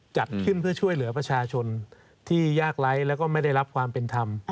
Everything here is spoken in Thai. จัดขึ้นเพื่อช่วยเหลือประชาชนที่ยากไร้แล้วก็ไม่ได้รับความเป็นธรรม